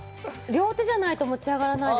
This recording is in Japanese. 両手じゃないと持ち上がらない。